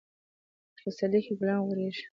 په پسرلي کي ګلان غوړيږي.